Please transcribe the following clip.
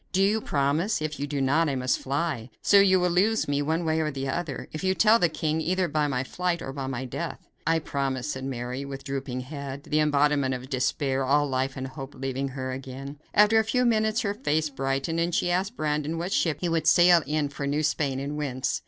Do you promise? If you do not, I must fly; so you will lose me one way or the other, if you tell the king; either by my flight or by my death." "I promise," said Mary, with drooping head; the embodiment of despair; all life and hope having left her again. After a few minutes her face brightened, and she asked Brandon what ship he would sail in for New Spain, and whence.